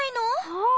ああ！